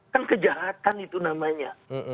kan kejahatan itu namanya